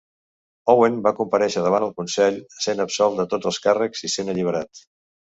Owen va comparèixer davant el Consell, sent absolt de tots els càrrecs i sent alliberat.